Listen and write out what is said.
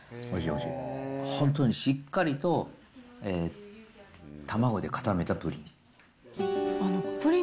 本当にしっかりと卵で固めたプリン。